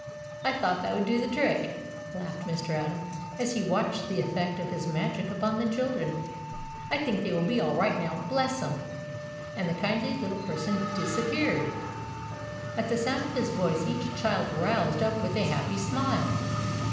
"I thought that would do the trick!" laughed Mr. Atom, as he watched the effect of his magic upon the children. "I think they will be all right now, bless 'em," and the kindly little person disappeared. At the sound of his voice each child roused up with a happy smile.